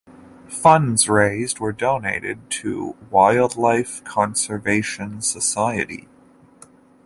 Funds raised were donated to Wildlife Conservation Society.